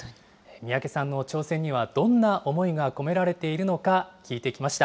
三宅さんの挑戦にはどんな思いが込められているのか聞いてきました。